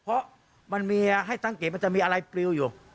เพราะมันมีให้สังเกตมันจะมีอะไรปลิวอยู่